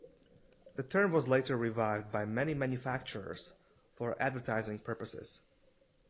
The term was later revived by many manufacturers for advertising purposes.